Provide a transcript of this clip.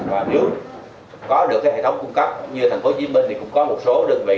và nếu có được cái hệ thống cung cấp như thành phố hồ chí minh thì cũng có một số đơn vị